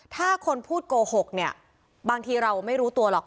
ถ้าคนพูดโกหกเนี่ยบางทีเราไม่รู้ตัวหรอก